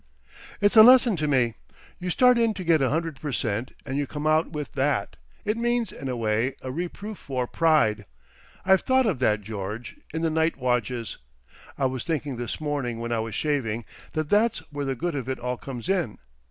"It's a lesson to me. You start in to get a hundred percent. and you come out with that. It means, in a way, a reproof for Pride. I've thought of that, George—in the Night Watches. I was thinking this morning when I was shaving, that that's where the good of it all comes in.